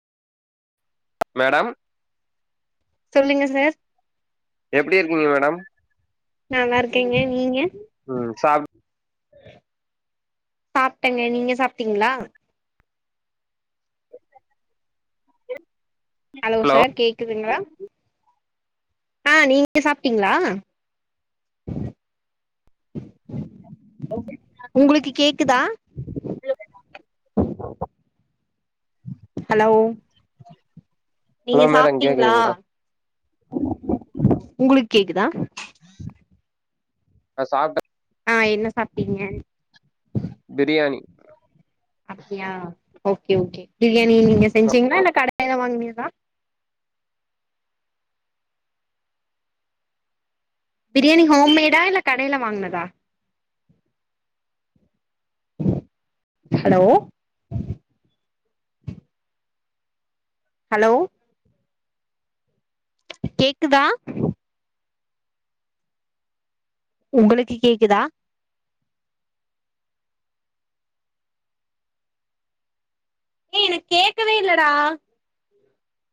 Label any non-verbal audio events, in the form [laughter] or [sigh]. madam சொல்லுங்க sir எப்டி இருக்கீங்க மேடம் நல்லா இருக்கேங்க நீங்க ம் சாப் சாப்டங்க நீங்க சாப்டீங்களா என் ஹலோ சார் கேக்குதுங்களா ஆ நீங்க சாப்ட்டீங்களா [unintelligible] உங்களுக்கு கேக்குதா இல்ல வேண்ட ஹலோ நீங்க ஹலோ மேடம் சாப்டீங்ளா கேக்குதுங்களா உங்களுக்கு கேக்குதா அ சாப்ட ஆ என்ன சாப்டீங்க பிரியாணி அப்டியா ஓகே ஓகே பிரியாணி நீங்க செஞ்சீங்ளா இல்ல கடைல்ல வாங்கினதா பிரியாணி ஹோம்மேடா இல்ல கடையில வாங்குனதா ஹலோ ஹலோ கேக்குதா உங்களுக்கு கேக்குதா ஏய் எனக்கு கேக்கவே இல்லடா